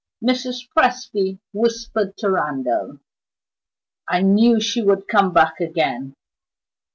Mrs. Presty whispered to Randal: "I knew she would come back again!